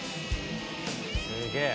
「すげえ！